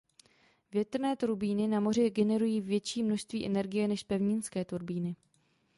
Větrné turbíny na moři generují větší množství energie než pevninské turbíny.